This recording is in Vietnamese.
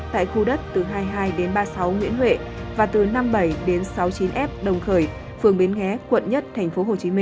tại khu đất từ hai mươi hai ba mươi sáu nguyễn huệ và từ năm mươi bảy sáu mươi chín f đồng khởi phường biến ghé quận một tp hcm